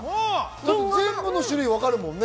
全部の種類、分かるもんね。